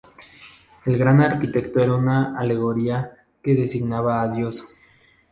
El Gran Arquitecto era una alegoría que designaba a Dios.